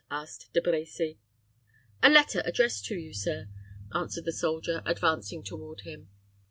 asked De Brecy. "A letter addressed to you, sir," answered the soldier, advancing toward him.